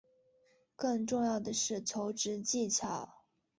更重要的是求职技巧